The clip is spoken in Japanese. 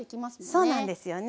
そうなんですよね。